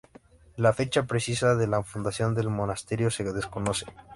La fecha precisa de la fundación del Monasterio se desconoce.